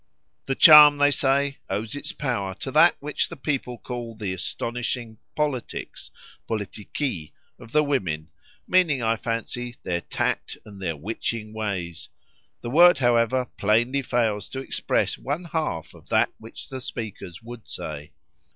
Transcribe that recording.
The charm, they say, owes its power to that which the people call the astonishing "politics" (πολιτικη) of the women, meaning, I fancy, their tact and their witching ways: the word, however, plainly fails to express one half of that which the speakers would say.